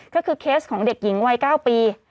ก็คือเคสของเด็กหญิงวัย๙ปี